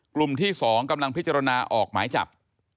กลุ่มที่๒กำลังพิจารณาออกหมายจับ